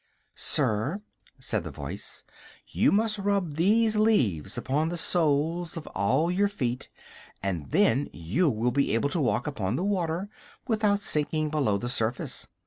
] "Sir," said the voice, "you must rub these leaves upon the soles of all your feet, and then you will be able to walk upon the water without sinking below the surface.